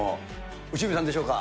内海さんでしょうか。